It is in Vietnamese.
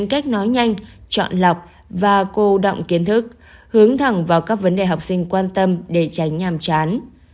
cách nói nhanh chọn lọc và cô động kiến thức hướng thẳng vào các vấn đề học sinh quan tâm để tránh nhàm chán